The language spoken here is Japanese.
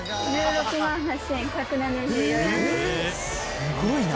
すごいな。